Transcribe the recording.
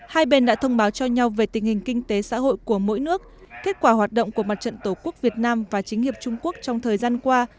hai bên đã thông báo cho nhau về tình hình kinh tế xã hội của mỗi nước kết quả hoạt động của mặt trận tổ quốc việt nam và chính hiệp trung quốc trong thời gian qua